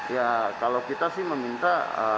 ya kalau kita sih meminta